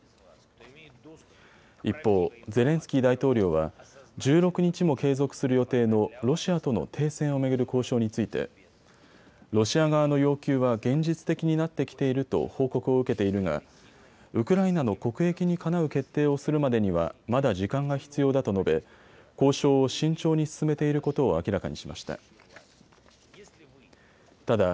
一方、ゼレンスキー大統領は１６日も継続する予定のロシアとの停戦を巡る交渉についてロシア側の要求は現実的になってきていると報告を受けているがウクライナの国益にかなう決定をするまでにはまだ時間が必要だと述べ、交渉を慎重に進めていることを明らかにしました。